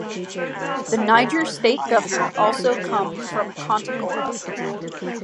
The Niger state governor also come from Kontagora.